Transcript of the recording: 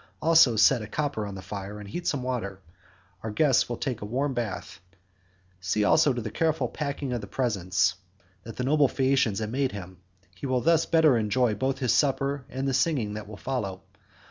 Also, set a copper on the fire and heat some water; our guest will take a warm bath; see also to the careful packing of the presents that the noble Phaeacians have made him; he will thus better enjoy both his supper and the singing that will follow.